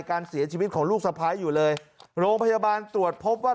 การเสียชีวิตของลูกสะพ้ายอยู่เลยโรงพยาบาลตรวจพบว่า